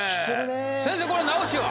先生これ直しは？